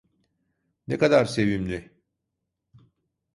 Ne kadar sevimli.